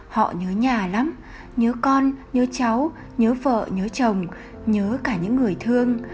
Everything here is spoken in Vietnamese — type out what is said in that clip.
họ nhớ nhà lắm nhớ con nhớ cháu nhớ vợ nhớ chồng nhớ cả những người thương